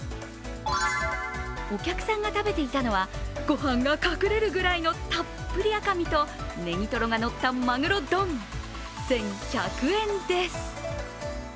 お客さんが食べていたのはご飯が隠れるぐらいのたっぷり赤身と、ねぎとろがのったまぐろ丼、１１００円です。